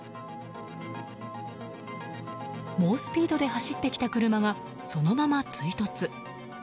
猛スピードで走ってきた車がそのまま追突。